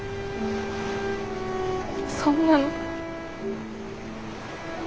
そんなの。